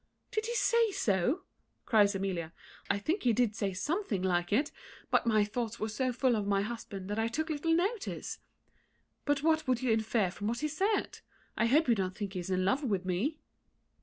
"Did he say so?" cries Amelia "I think he did say something like it; but my thoughts were so full of my husband that I took little notice. But what would you infer from what he said? I hope you don't think he is in love with me?"